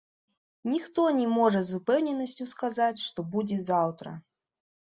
Ніхто не можа з упэўненасцю сказаць, што будзе заўтра.